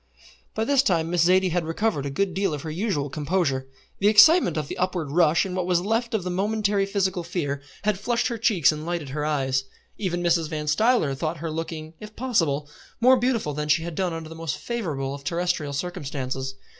By this time Miss Zaidie had recovered a good deal of her usual composure. The excitement of the upward rush, and what was left of the momentary physical fear, had flushed her cheeks and lighted her eyes. Even Mrs. Van Stuyler thought her looking, if possible, more beautiful than she had done under the most favourable of terrestrial circumstances.